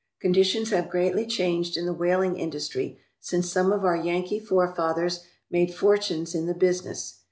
Conditions have greatly changed in the whaling in dustry since some of our Yankee forefathers made for tunes in the business.